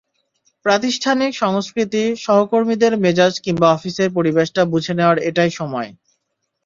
প্রাতিষ্ঠানিক সংস্কৃতি, সহকর্মীদের মেজাজ কিংবা অফিসের পরিবেশটা বুঝে নেওয়ার এটাই সময়।